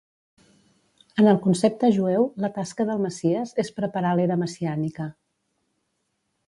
En el concepte jueu, la tasca del Messies és preparar l'era messiànica.